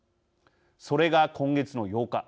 それが今月の８日。